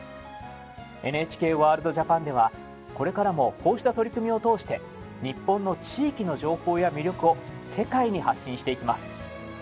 ＮＨＫワールドＪＡＰＡＮではこれからもこうした取り組みを通して日本の地域の情報や魅力を世界に発信していきます。